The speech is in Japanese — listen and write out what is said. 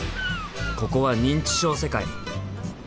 ここは認知症世界！